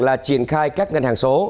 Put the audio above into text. là triển khai các ngân hàng số